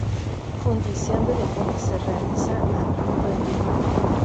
Fundición de Deportes se realiza a menudo en vivo.